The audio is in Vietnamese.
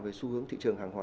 về xu hướng thị trường hàng hóa